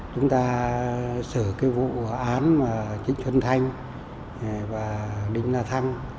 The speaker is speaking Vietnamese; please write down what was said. chúng ta xử cái vụ án chính xuân thanh và đinh nga thăng